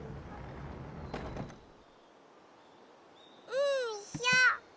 うんしょ。